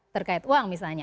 terkait uang misalnya